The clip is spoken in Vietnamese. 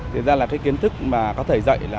thế ra là cái kiến thức mà có thể dạy